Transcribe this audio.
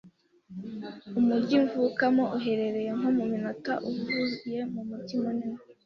Umujyi mvukamo uherereye nko mu minota uvuye mumujyi munini.